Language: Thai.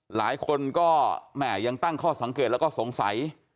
หลายคนก็แหม่ยังตั้งข้อสังเกตแล้วก็สงสัย